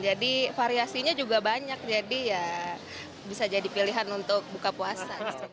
jadi variasinya juga banyak jadi ya bisa jadi pilihan untuk buka puasa